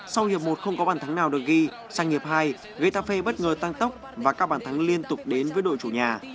sau hiệp một không có bản thắng nào được ghi sang hiệp hai getafe bất ngờ tăng tốc và các bản thắng liên tục đến với đội chủ nhà